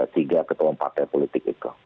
tiga ketua partai politik itu